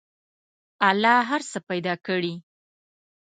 الله هر څه پیدا کړي.